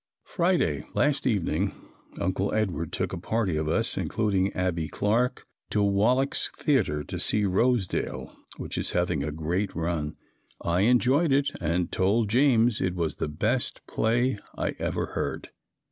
Friday. Last evening Uncle Edward took a party of us, including Abbie Clark, to Wallack's Theater to see "Rosedale," which is having a great run. I enjoyed it and told James it was the best play I ever "heard."